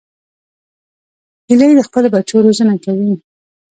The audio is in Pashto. هیلۍ د خپلو بچو روزنه کوي